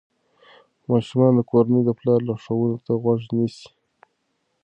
ماشومان د کورنۍ د پلار لارښوونو ته غوږ نیسي.